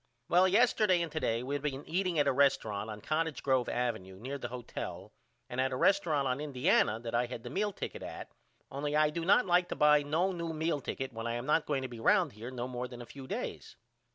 Well yesterday and to day we been eating at a resturunt on Cottage Grove Ave near the hotel and at the resturunt on Indiana that I had the meal ticket at only I do not like to buy no new meal ticket when I am not going to be round here no more than a few days.